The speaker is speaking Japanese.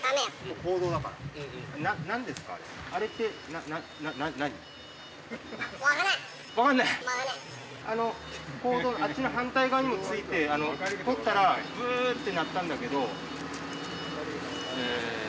公道あっちの反対側にも付いて通ったら「ブー！」って鳴ったんだけど。